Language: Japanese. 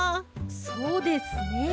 そうですね。